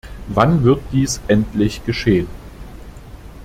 Wann wird dies endlich geschehen?